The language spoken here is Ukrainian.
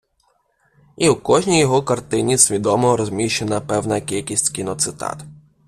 І у кожній його картині свідомо розміщена певна кількість кіноцитат.